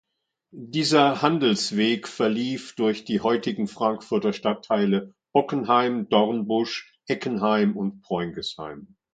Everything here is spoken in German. Dieser Handelsweg verlief durch die heutigen Frankfurter Stadtteile Bockenheim, Dornbusch, Eckenheim und Preungesheim.